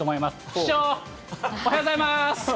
市長、おはようございます。